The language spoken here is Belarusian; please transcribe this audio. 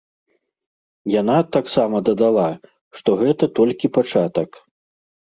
Яна таксама дадала, што гэта толькі пачатак.